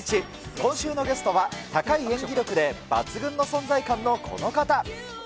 今週のゲストは、高い演技力で抜群の存在感のこの方。